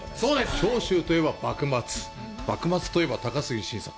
長州といえば幕末、幕末といえば高杉晋作。